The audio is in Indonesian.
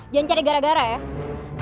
jangan cari gara gara ya